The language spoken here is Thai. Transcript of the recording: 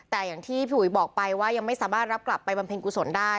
แต่อย่างที่พี่อุ๋ยบอกไปว่ายังไม่สามารถรับกลับไปบำเพ็ญกุศลได้